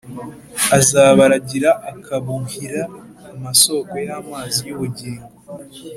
azabaragira akabuhira amasōko y’amazi y’ubugingo,